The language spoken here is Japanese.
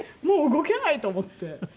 もう動けないと思って。